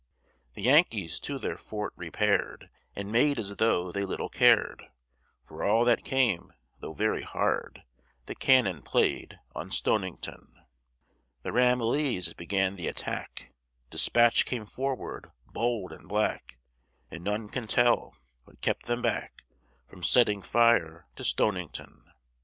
The Yankees to their fort repair'd, And made as though they little cared For all that came though very hard The cannon play'd on Stonington. The Ramillies began the attack, Despatch came forward bold and black And none can tell what kept them back From setting fire to Stonington.